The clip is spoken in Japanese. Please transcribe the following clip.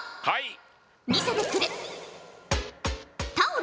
はい。